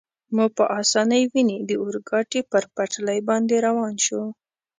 مو په اسانۍ وویني، د اورګاډي پر پټلۍ باندې روان شو.